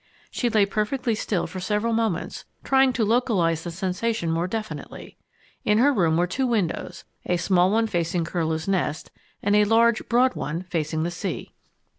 She lay perfectly still for several moments, trying to localize the sensation more definitely. In her room were two windows a small one facing Curlew's Nest and a large, broad one facing the sea.